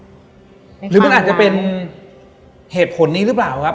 อเจมส์หรือเป็นเหตุผลนี้หรือเปล่าครับ